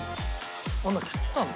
あら切ったんだ。